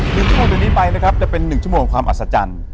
หนึ่งชั่วโมงนี้ไปนะครับจะเป็นหนึ่งชั่วโมงความอัศจรรย์